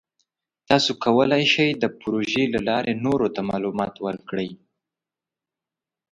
تاسو کولی شئ د پروژې له لارې نورو ته معلومات ورکړئ.